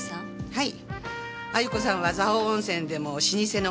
はい。